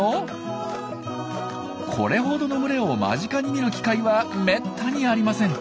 これほどの群れを間近に見る機会はめったにありません。